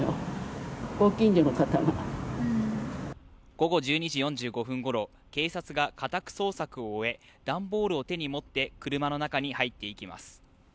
午後１２時４５分ごろ警察が家宅捜索を終え段ボールを手に持って車の中へ入っていきます。